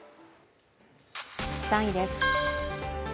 ３位です。